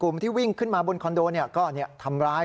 กลุ่มที่วิ่งขึ้นมาบนคอนโดเนี่ย